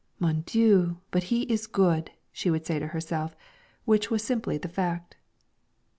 'Mon Dieu, but he is good!' she would say to herself, which was simply the fact.